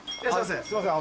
すいません